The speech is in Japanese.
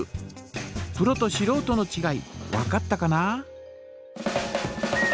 プロとしろうとのちがい分かったかな？